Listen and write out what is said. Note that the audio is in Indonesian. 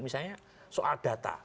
misalnya soal data